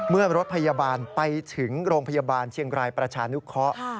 เมื่อรถพยาบาลไปถึงโรงพยาบาลเชียงรายประชานุเคราะห์